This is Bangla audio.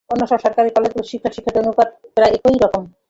অন্য সব সরকারি কলেজেরও শিক্ষক শিক্ষার্থীর অনুপাত প্রায় একই রকম।